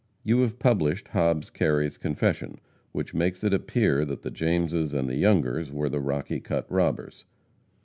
You have published Hobbs Kerry's confession, which makes it appear that the Jameses and the Youngers were the Rocky Cut robbers.